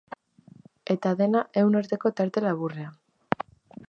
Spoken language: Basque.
Eta dena ehun urteko tarte laburrean.